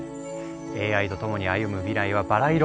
ＡＩと共に歩む未来はバラ色。